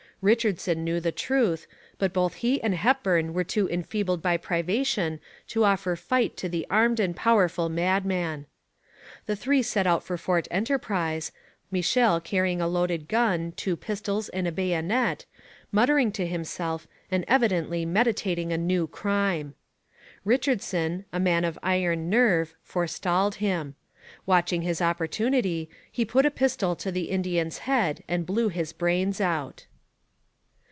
Richardson knew the truth, but both he and Hepburn were too enfeebled by privation to offer fight to the armed and powerful madman. The three set out for Fort Enterprise, Michel carrying a loaded gun, two pistols and a bayonet, muttering to himself and evidently meditating a new crime. Richardson, a man of iron nerve, forestalled him. Watching his opportunity, he put a pistol to the Indian's head and blew his brains out.